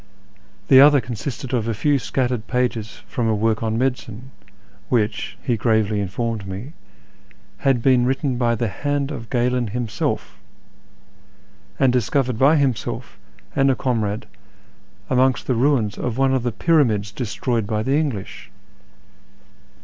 The other consisted of a few scattered pages from a work on medicine, which, he gravely informed me, had been written hj the hand of Galen himself, and discovered by himself and a comrade amongst the ruins of one of the lyyramids destroyed hy the English